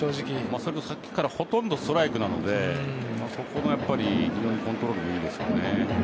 それも、さっきからほとんどストライクなのでそこが非常にコントロールがいいですよね。